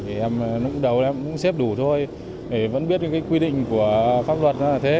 em cũng đấu em cũng xếp đủ thôi để vẫn biết cái quy định của pháp luật nó là thế